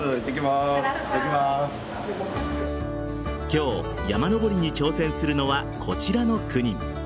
今日、山登りに挑戦するのはこちらの９人。